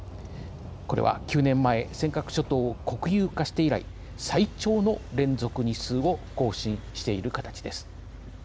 これは９年前尖閣諸島を国有化して以来最長の連続日数を更新している形です。